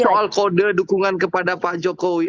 soal kode dukungan kepada pak jokowi